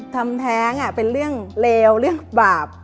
ทำแท้งเป็นเรื่องเลวเรื่องบาป